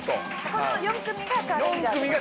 この４組がチャレンジャーって事ですね。